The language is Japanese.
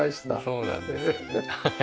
そうなんですはい。